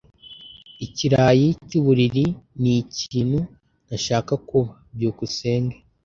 Ikirayi cyuburiri nikintu ntashaka kuba. byukusenge